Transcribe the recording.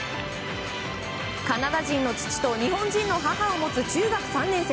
カナダ人の父と日本人の母を持つ中学３年生。